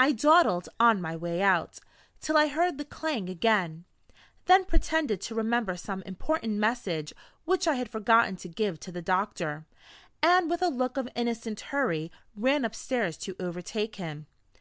I dawdled on my way out, till I heard the clang again; then pretended to remember some important message which I had forgotten to give to the doctor, and with a look of innocent hurry ran upstairs to overtake him.